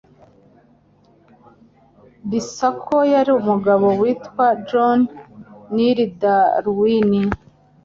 Bisa ko yari umugabo witwa Joh n L. Darwin.